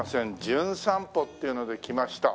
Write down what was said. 『じゅん散歩』っていうので来ました。